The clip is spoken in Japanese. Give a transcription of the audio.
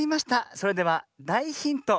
それではだいヒント